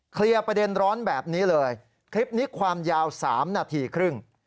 เคลียร์ประเด็นร้อนแบบนี้เลยคลิปนี้ความยาว๓นาทีครึ่ง